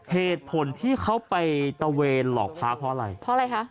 เผตตัวไว้ต่อเวณหลอกพระเพราะอะไรเพราะอะไรครับ